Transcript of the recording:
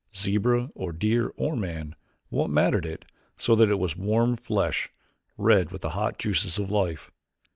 Zebra or deer or man, what mattered it so that it was warm flesh, red with the hot juices of life?